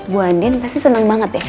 bu andien pasti seneng banget ya